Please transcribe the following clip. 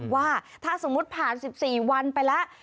ว่าถ้าสมมุติผ่าน๑๔วันไปแล้ว